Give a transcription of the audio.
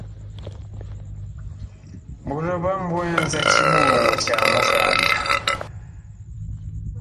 Buloba mbuenza tshibungu tshia mukanda.